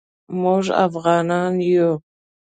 موږ افعانان یو